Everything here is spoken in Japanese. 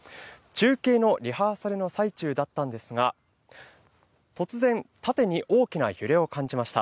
中継のリハーサルの最中だったんですが、突然、縦に大きな揺れを感じました。